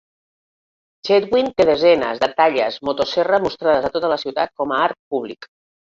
Chetwynd té desenes de talles motoserra mostrades a tota la ciutat com a art públic.